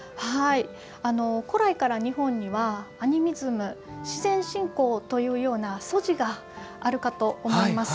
古来から日本にはアミニズム自然信仰というような素地があるかと思います。